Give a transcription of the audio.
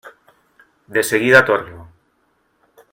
De seguida torno.